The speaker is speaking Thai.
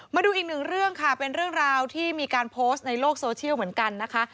มาดูอีกหนึ่งเรื่องค่ะเป็นเรื่องราวที่มีการโพสต์ในโลกโซเชียลเหมือนกันนะคะ